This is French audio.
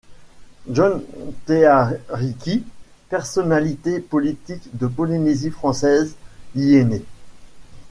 John Teariki, personnalité politique de Polynésie française y est né.